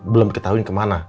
belum ketahuin kemana